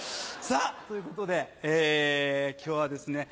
ということで今日はですね